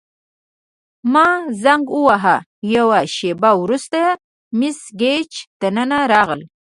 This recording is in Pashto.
ما زنګ وواهه، یوه شیبه وروسته مس ګیج دننه راغله.